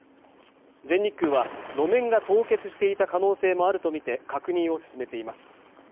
全日空は路面が凍結していた可能性もあるとみて確認を進めています